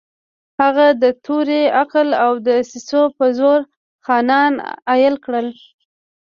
هغه د تورې، عقل او دسیسو په زور خانان اېل کړل.